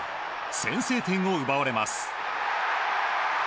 先制点を奪われます。